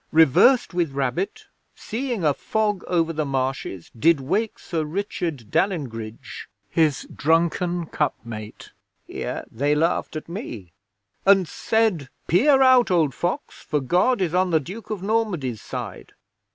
'"Reversed with rabbit, seeing a fog over the marshes, did wake Sir Richard Dalyngridge, his drunken cup mate" (here they laughed at me) "and said, 'Peer out, old fox, for God is on the Duke of Normandy's side."'